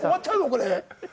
これ。